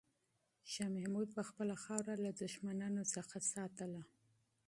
شاه محمود به خپله خاوره له دښمنانو څخه ساتله.